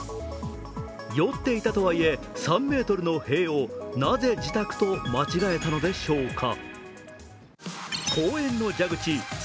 酔っていたとはいえ、３ｍの塀をなぜ自宅と間違えたのでしょうか？